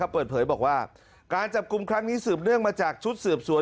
เปิดเผยบอกว่าการจับกลุ่มครั้งนี้สืบเนื่องมาจากชุดสืบสวน